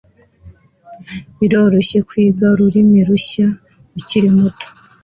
Biroroshye kwiga ururimi rushya ukiri muto.